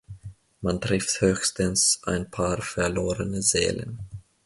Man trifft höchstens ein paar verlorene Seelen.